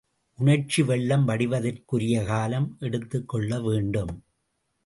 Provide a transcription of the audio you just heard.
உணர்ச்சி வெள்ளம் வடிவதற்குரிய காலம் எடுத்துக்கொள்ளவேண்டும்.